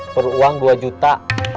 peruang dua juta